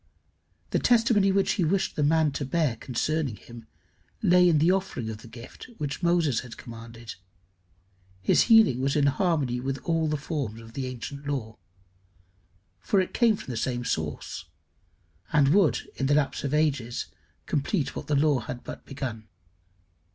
The testimony which he wished the man to bear concerning him lay in the offering of the gift which Moses had commanded. His healing was in harmony with all the forms of the ancient law; for it came from the same source, and would in the lapse of ages complete what the law had but begun.